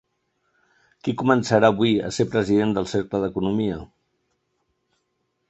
Qui començarà avui a ser president del Cercle d'Economia?